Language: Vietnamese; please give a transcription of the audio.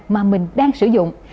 mà mình đang sử dụng